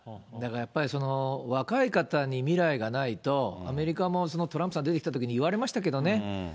だからやっぱりその、若い方に未来がないと、アメリカもトランプさん出てきたときに言われましたけどね。